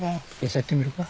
餌やってみるか？